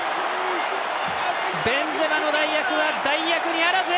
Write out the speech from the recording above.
ベンゼマの代役は代役にあらず！